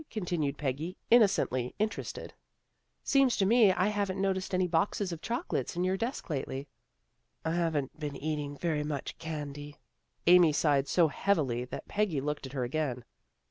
" continued Peggy, innocently interested. " Seems to me I haven't noticed any boxes of chocolates in your desk lately." " I haven't been eating very much candy." Amy sighed so heavily that Peggy looked at her again.